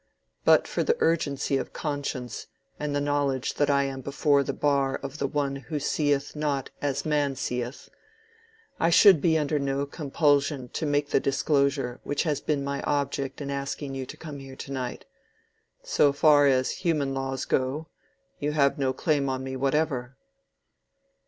But for the urgency of conscience and the knowledge that I am before the bar of One who seeth not as man seeth, I should be under no compulsion to make the disclosure which has been my object in asking you to come here to night. So far as human laws go, you have no claim on me whatever."